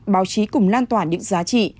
báo chí cùng lan toàn những giá trị